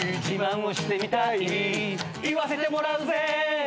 「自慢をしてみたい言わせてもらうぜ」